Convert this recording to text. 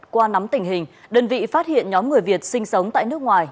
qua nắm tình hình đơn vị phát hiện nhóm người việt sinh sống tại nước ngoài